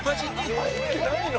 入ってないの！？